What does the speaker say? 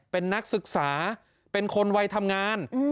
เป็นนักศึกษาเป็นคนวัยทำงาน